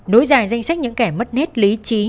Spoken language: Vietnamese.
nối dài danh sách những kẻ mất nét lý trí